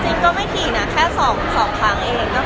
จริงก็ไม่ขี่นะแค่สองทางเอง